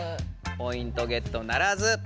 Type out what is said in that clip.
ポイントゲットならず！